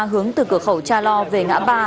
hướng từ cửa khẩu cha lo về ngã ba